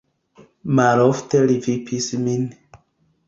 Malofte li vipis min.